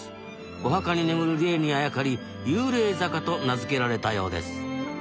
お墓に眠る霊にあやかり幽霊坂と名付けられたようです。